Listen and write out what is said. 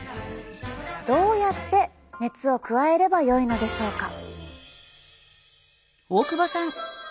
どうやって熱を加えればよいのでしょうか？